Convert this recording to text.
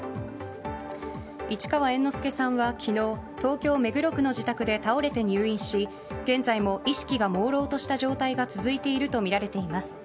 市川猿之助さんは、昨日東京・目黒区の自宅で倒れて入院し現在も意識がもうろうとした状態が続いているとみられています。